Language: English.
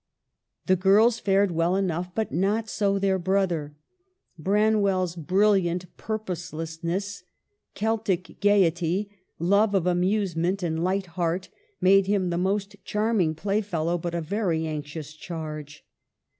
The girls fared well enough ; but not so their brother. Branwell's brilliant purposelessness, Celtic gayety, love of amusement, and light heart made him the most charming playfellow, but a very anxious charge.